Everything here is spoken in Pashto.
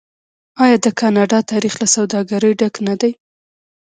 آیا د کاناډا تاریخ له سوداګرۍ ډک نه دی؟